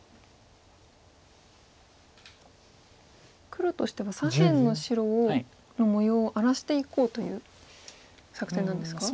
黒としては左辺の白の模様を荒らしていこうという作戦なんですか？